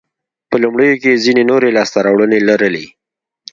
په لومړیو کې یې ځیني نورې لاسته راوړنې لرلې.